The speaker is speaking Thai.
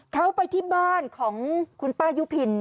เขาไปที่บ้านของคุณป้ายุพิน